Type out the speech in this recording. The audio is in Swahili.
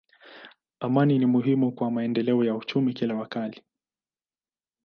Amani ni muhimu kwa maendeleo ya uchumi kila mahali.